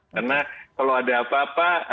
karena kalau ada apa apa